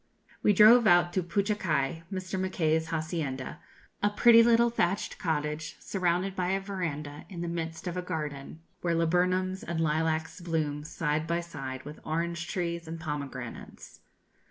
We drove out to Puchacai, Mr. Mackay's hacienda, a pretty little thatched cottage, surrounded by a verandah, in the midst of a garden, where laburnums and lilacs bloom side by side with orange trees and pomegranates.